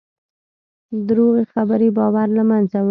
دروغې خبرې باور له منځه وړي.